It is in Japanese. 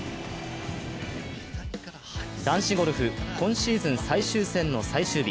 男子ゴルフ、今シーズン最終戦の最終日。